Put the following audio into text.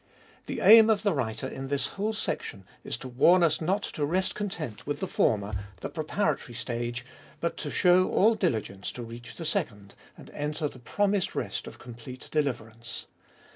The aim of the writer in this whole section is to warn 1 It was. 144 Ebe Iboliest of 2UI us not to rest content with the former, the preparatory stage, but to show all diligence to reach the second, and enter the promised rest of complete deliverance.